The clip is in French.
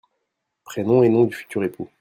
prénoms et nom du futur époux.